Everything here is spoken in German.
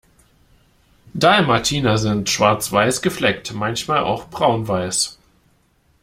Dalmatiner sind schwarz-weiß gefleckt, manchmal auch braun-weiß.